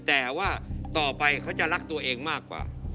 แต่ว่าต่อไปเขาจะรักตัวเองมากกว่า